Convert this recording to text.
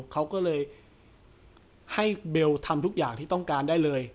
เขาก็เลยให้เบลทำทุกอย่างที่ต้องการได้เลย